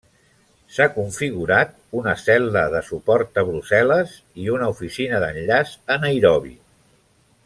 S'ha configurat una cel·la de suport a Brussel·les i una oficina d'enllaç a Nairobi.